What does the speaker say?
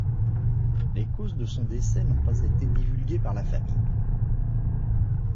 Les causes de son décès n'ont pas été divulguées par la famille.